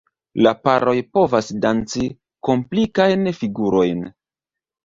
La paroj povas danci komplikajn figurojn.